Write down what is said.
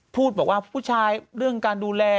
พูดบอกว่าผู้ชายเรื่องการดูแล